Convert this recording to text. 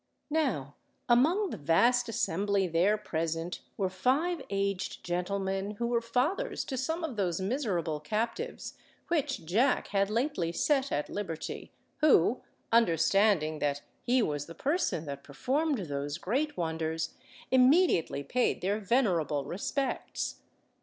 Now, among the vast assembly there present were five aged gentlemen who were fathers to some of those miserable captives which Jack had lately set at liberty, who, understanding that he was the person that performed those great wonders, immediately paid their venerable respects.